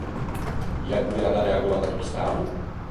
Jak bude Rada reagovat na tuto zprávu?